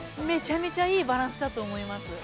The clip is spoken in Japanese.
めちゃめちゃいいバランスだと思います。